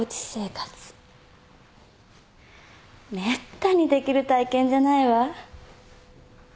めったにできる体験じゃないわ。